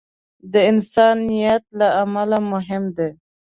د انسان نیت له عمل مهم دی.